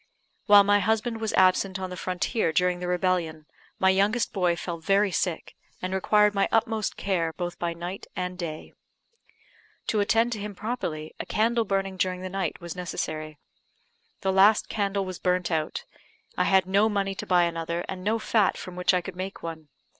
While my husband was absent on the frontier during the rebellion, my youngest boy fell very sick, and required my utmost care, both by night and day. To attend to him properly, a candle burning during the night was necessary. The last candle was burnt out; I had no money to buy another, and no fat from which I could make one.